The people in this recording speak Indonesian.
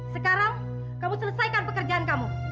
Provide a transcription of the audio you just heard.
sekarang kamu selesaikan pekerjaan kamu